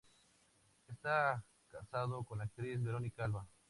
Está casado con la actriz Verónica Alva.